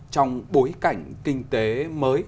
trong bối cảnh kinh tế mới